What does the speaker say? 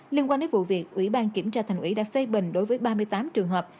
liên quan đến vụ việc ủy ban kiểm tra thành ủy đã phê bình đối với ba mươi tám trường hợp